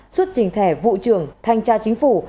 xuất trình thẻ vụ trưởng thanh tra chính phủ